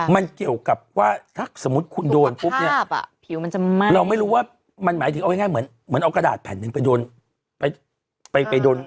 มันเกี่ยวกับว่าถ้าสมมติคุณโดนปุ๊บเนี่ยเราไม่รู้ว่ามันหมายถึงเอาให้ง่ายเหมือนเอากระดาษแผ่นนึงไปโดน